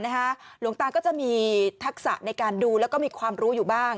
หลวงตาก็จะมีทักษะในการดูแล้วก็มีความรู้อยู่บ้าง